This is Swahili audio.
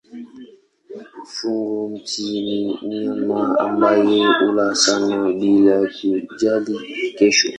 Fungo-miti ni mnyama ambaye hula sana bila kujali kesho.